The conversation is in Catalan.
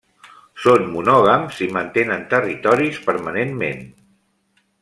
Són monògams i mantenen territoris permanentment.